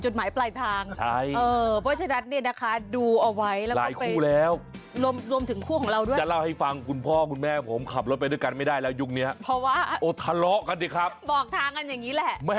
ใช่น้ำเสียงเขาพูดแต่ถ้าคุณมาบอกนี่นี้นี่